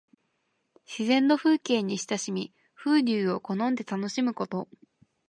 自然の風景に親しみ、風流を好んで楽しむこと。